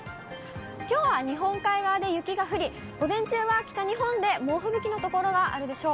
きょうは日本海側で雪が降り、午前中は北日本で猛吹雪の所があるでしょう。